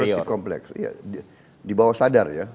inferior complex di bawah sadar ya